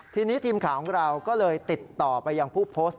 ทีนี้ทีมข่าวของเราก็เลยติดต่อไปยังผู้โพสต์